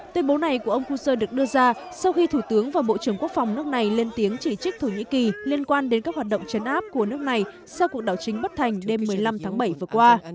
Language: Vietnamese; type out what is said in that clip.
tuyên bố này của ông kuzer được đưa ra sau khi thủ tướng và bộ trưởng quốc phòng nước này lên tiếng chỉ trích thổ nhĩ kỳ liên quan đến các hoạt động chấn áp của nước này sau cuộc đảo chính bất thành đêm một mươi năm tháng bảy vừa qua